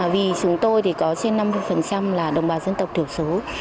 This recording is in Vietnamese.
vì chúng tôi thì có trên năm mươi là đồng bào dân tộc thiểu số